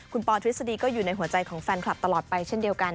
คุณปอทฤษฎีก็อยู่ในหัวใจของแฟนคลับตลอดไปเช่นเดียวกัน